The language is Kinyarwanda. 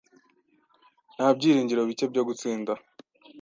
Nta byiringiro bike byo gutsinda.